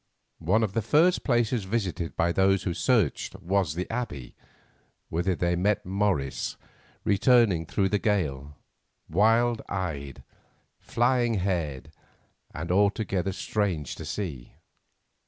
One of the first places visited by those who searched was the Abbey, whither they met Morris returning through the gale, wild eyed, flying haired, and altogether strange to see.